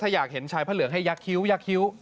ถ้าอยากเห็นชายพระเหลืองให้ยักษิ้วยักษิ้ว